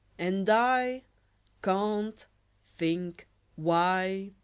And I can't think why!